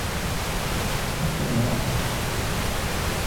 اخفضي رأسك!